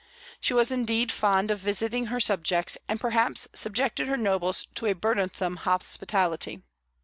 She was indeed fond of visiting her subjects, and perhaps subjected her nobles to a burdensome hospitality.